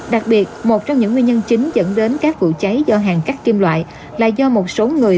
đặc biệt một trong những nguyên nhân chính dẫn đến các vụ cháy do hàng cắt kim loại là do một số người